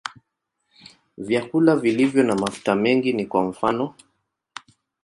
Vyakula vilivyo na mafuta mengi ni kwa mfano.